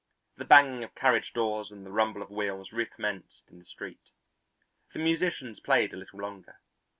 The banging of carriage doors and the rumble of wheels recommenced in the street. The musicians played a little longer.